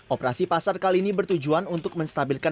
operasi pasar kali ini bertujuan untuk menstabilkan